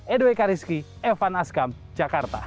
edo eka rizky evan askam jakarta